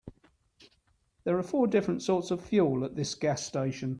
There are four different sorts of fuel at this gas station.